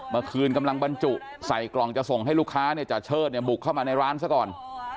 เมื่อคืนกำลังบรรจุใส่กล่องจะส่งให้ลูกค้าจ่าเชิดบุกเข้ามาในร้านซะก่อน